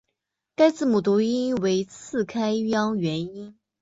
该字母读音为次开央元音。